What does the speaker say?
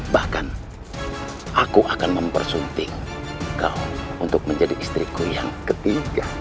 bahkan aku akan mempersunting kau untuk menjadi istriku yang ketiga